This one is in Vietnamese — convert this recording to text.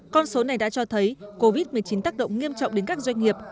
con số này đã cho thấy covid một mươi chín tác động nghiêm trọng đến các doanh nghiệp